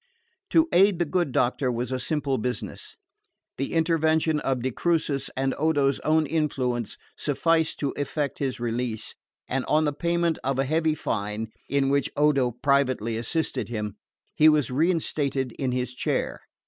To aid the good doctor was a simpler business. The intervention of de Crucis and Odo's own influence sufficed to effect his release, and on the payment of a heavy fine (in which Odo privately assisted him) he was reinstated in his chair.